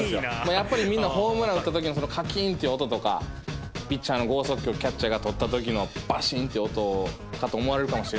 やっぱりみんなホームラン打った時のカキーンっていう音とかピッチャーの豪速球をキャッチャーが捕った時のバシンって音かと思われるかもしれないですけど。